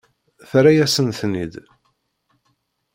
Terra-yasen-ten-id.